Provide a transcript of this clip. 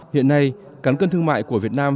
hiện nay cắn cân thương mại của việt nam